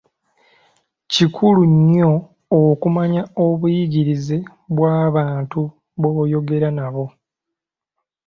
Kikulu nnyo okumanya obuyigirize bw'abantu boyogera nabo.